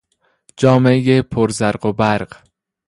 جامهی پر زرق و برق